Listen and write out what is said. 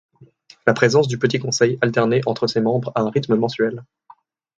La présidence du Petit Conseil alternait entre ses membres à un rythme mensuel.